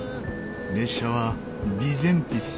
列車はディゼンティス／